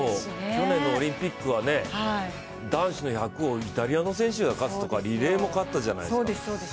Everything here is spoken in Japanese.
去年のオリンピックは男子の１００をイタリアの選手が勝つとかリレーも勝ったじゃないですか。